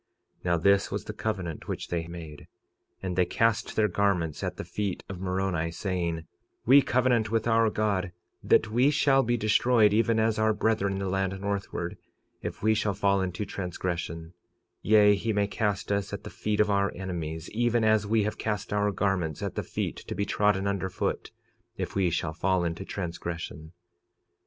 46:22 Now this was the covenant which they made, and they cast their garments at the feet of Moroni, saying: We covenant with our God, that we shall be destroyed, even as our brethren in the land northward, if we shall fall into transgression; yea, he may cast us at the feet of our enemies, even as we have cast our garments at thy feet to be trodden under foot, if we shall fall into transgression.